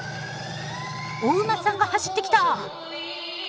お馬さんが走ってきた！